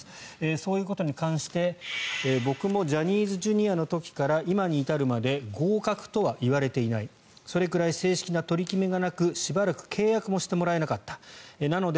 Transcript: そういう方に関して僕もジャニーズＪｒ．の時から今に至るまで合格とは言われていないそれくらい正式な取り決めがなくしばらく契約もしてもらえなかったなので、